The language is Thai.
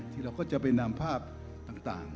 เราก็จะไปนำภาพต่าง